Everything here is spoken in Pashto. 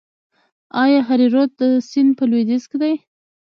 آیا هریرود سیند په لویدیځ کې دی؟